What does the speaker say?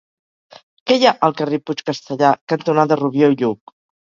Què hi ha al carrer Puig Castellar cantonada Rubió i Lluch?